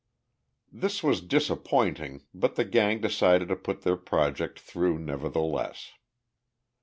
This was disappointing, but the gang decided to put their project through, nevertheless.